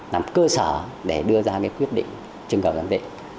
làm cơ sở để đưa ra quyết định trưng cầu giám định